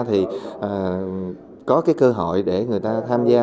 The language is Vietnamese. thì có cái cơ hội để người ta tham gia